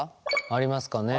ありますかね。